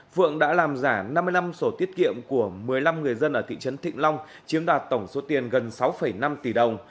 phượng đã làm giả năm mươi năm sổ tiết kiệm của một mươi năm người dân ở thị trấn thịnh long chiếm đoạt tổng số tiền gần sáu năm tỷ đồng